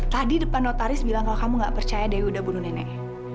tadi depan notaris bilang kalau kamu gak percaya deh udah bunuh nenek